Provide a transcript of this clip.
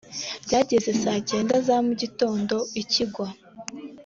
byageze saa cyenda za mu gitondo ikigwa